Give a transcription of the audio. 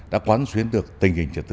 đã quán xuyến được tình hình trật tự